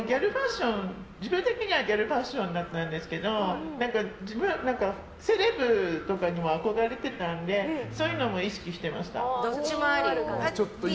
自分的にはギャルファッションだったんですけどセレブとかにも憧れてたんでそういうのも意識してました。